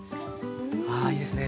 あいいですね